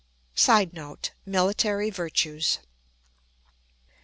[Sidenote: Military virtues.